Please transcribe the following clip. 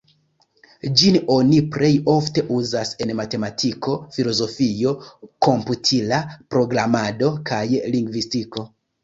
Ĝin oni plej ofte uzas en matematiko, filozofio, komputila programado, kaj lingvistiko.